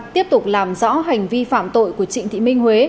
tiếp tục làm rõ hành vi phạm tội của trịnh thị minh huế